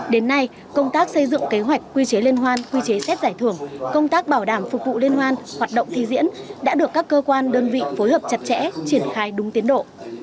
đến nay công tác xây dựng kế hoạch quy chế liên hoan quy chế xét giải thưởng công tác bảo đảm phục vụ liên hoan hoạt động thi diễn đã được các cơ quan đơn vị phối hợp chặt chẽ triển khai đúng tiến độ